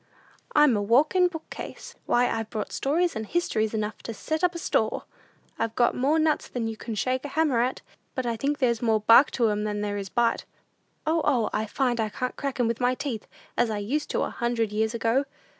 "I'm a walkin' book case. Why, I've brought stories and histories enough to set up a store! I've got more nuts than you can shake a hammer at; but I think there's more bark to 'em than there is bite. O, O, I find I can't crack 'em with my teeth, as I used to a hundred years ago!